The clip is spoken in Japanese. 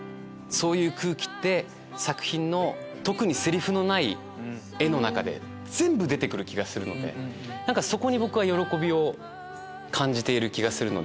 そういう空気って作品の特にセリフのない画の中で全部出て来る気がするのでそこに僕は喜びを感じている気がする。